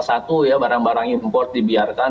satu ya barang barang import dibiarkan